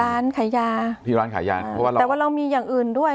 ร้านขายยาที่ร้านขายยาเพราะว่าเราแต่ว่าเรามีอย่างอื่นด้วย